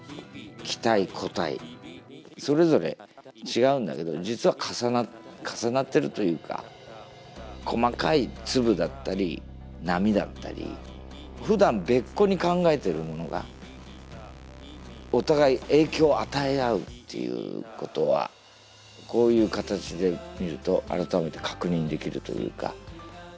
気体固体それぞれ違うんだけど実は重なって重なってるというか細かい粒だったり波だったりふだん別個に考えているものがお互い影響を与え合うっていうことはこういう形で見ると改めて確認できるというか。